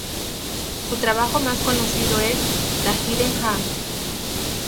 Su trabajo más conocido es "The Hidden Hand".